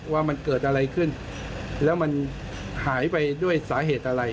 ว่ามันเกิดอะไรขึ้นแล้วมันหายไปด้วยสาเหตุอะไร